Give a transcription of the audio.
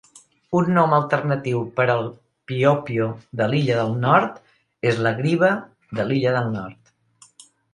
Un nom alternatiu per al piopio de l'Illa del Nord és la griva de l'Illa del Nord.